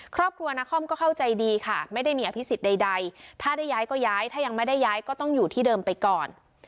ครอบครัวนาคอมก็เข้าใจดีค่ะไม่ได้มีอภิษฎใดถ้าได้ย้ายก็ย้ายถ้ายังไม่ได้ย้ายก็ต้องอยู่ที่เดิมไปก่อน